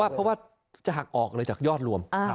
เพราะว่าจะหักออกเลยจากยอดรวม